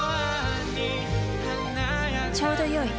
ちょうどよい。